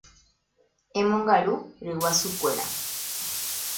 Emongaru ryguasukuéra.